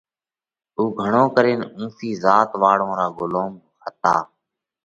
اُو گھڻو ڪرينَ اُونسِي ذات واۯون را ڳُلوم هتا۔